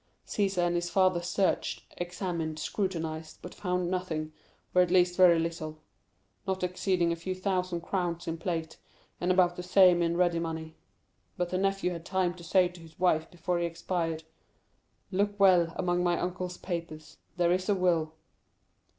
Cæsar and his father searched, examined, scrutinized, but found nothing, or at least very little; not exceeding a few thousand crowns in plate, and about the same in ready money; but the nephew had time to say to his wife before he expired: 'Look well among my uncle's papers; there is a will.